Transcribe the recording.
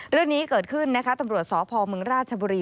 เรื่องนี้เกิดขึ้นนะคะตำรวจสพมราชบุรี